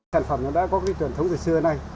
sản phẩm nó đã có cái truyền thống từ xưa nay